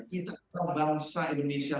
kita bangsa indonesia